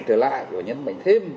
trở lại và nhấn mạnh thêm